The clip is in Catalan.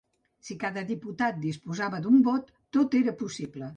Si cada diputat disposava d'un vot, tot era possible.